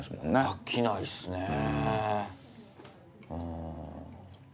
飽きないっすねぇ。